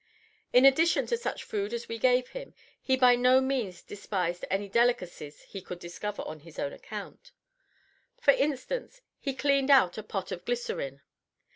In addition to such food as we gave him he by no means despised any delicacies he could discover on his own account. For instance he cleaned out a pot of glycerine.